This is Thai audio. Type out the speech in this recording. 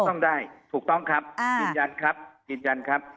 ก็ต้องได้ถูกต้องครับยืนยันครับ